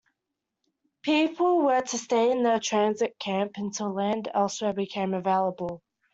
People were to stay in the transit camp until land elsewhere became available.